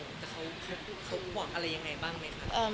เค้าบอกอะไรอย่างไรบ้างมั้ยคะ